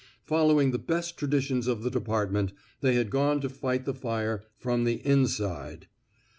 Following the best traditions of the depart ment, they had gone to fight the fire from the inside.